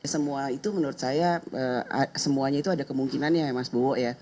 semua itu menurut saya semuanya itu ada kemungkinannya ya mas bowo ya